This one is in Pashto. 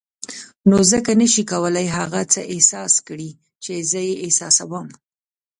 نو ځکه نه شې کولای هغه څه احساس کړې چې زه یې احساسوم.